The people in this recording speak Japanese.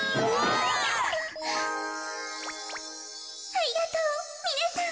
ありがとうみなさん。